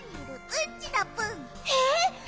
えっ！